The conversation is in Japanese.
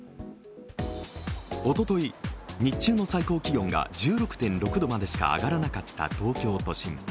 おととい、日中の最高気温が１６．６度までしか上がらなかった東京都心。